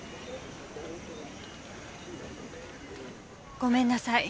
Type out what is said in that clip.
ごめんなさい。